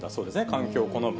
環境を好む。